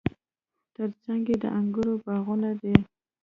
ترڅنګ یې د انګورو باغونه دي.